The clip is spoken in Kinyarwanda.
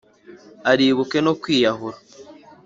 aribuke no kwiyahura